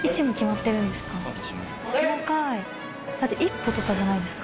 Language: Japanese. だって一歩とかじゃないですか。